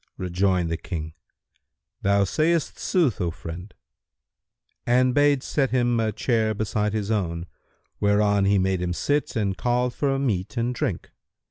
Rejoined the King, "Thou sayst sooth, O friend," and bade set him a chair beside his own, whereon he made him sit and called for meat and drink.